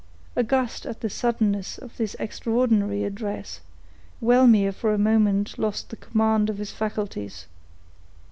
Aghast at the suddenness of this extraordinary address, Wellmere for a moment lost the command of his faculties.